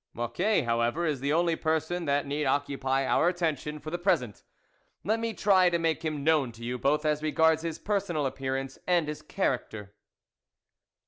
Mocquet, however, is the only person that need occupy our attention for the present. Let me try to make him known to you, both as regards his personal appearance and his character.